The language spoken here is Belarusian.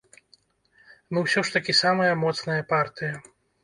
Мы ўсё ж такі самая моцная партыя.